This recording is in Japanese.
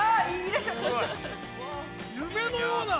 ◆夢のような。